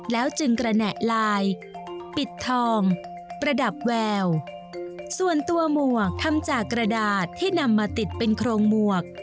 แล้วจึงกระแหน่ลายปิดทองประดับแววส่วนตัวหมวกทำจากกระดาษที่นำมาติดเป็นโครงหมวก